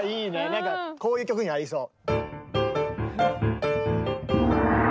なんかこういう曲に合いそう。